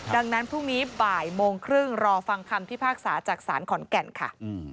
ดังนั้นพรุ่งนี้บ่ายโมงครึ่งรอฟังคำพิพากษาจากศาลขอนแก่นค่ะ